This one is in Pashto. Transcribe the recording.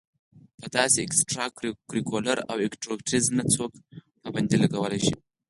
پۀ داسې اېکسټرا کريکولر ايکټويټيز نۀ څوک پابندي لګولے شي